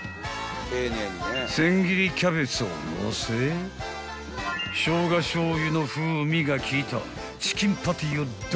［千切りキャベツをのせしょうがしょうゆの風味が効いたチキンパティをドン］